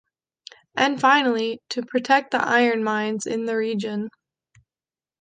And finally, to protect the iron mines in the region.